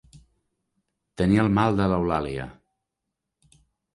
Tenir el mal de l'Eulàlia.